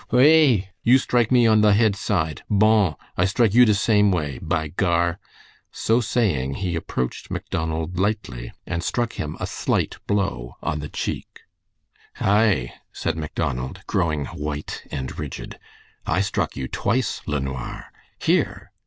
"Oui! you strike me on the head side. Bon! I strike you de same way! By Gar!" so saying he approached Macdonald lightly, and struck him a slight blow on the cheek. "Ay," said Macdonald, growing white and rigid. "I struck you twice, LeNoir. Here!"